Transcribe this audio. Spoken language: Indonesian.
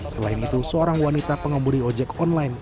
selain itu seorang wanita pengembudi ojek online